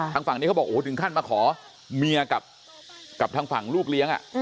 ทางฝั่งนี้เขาบอกโอ้โหถึงขั้นมาขอเมียกับทางฝั่งลูกเลี้ยง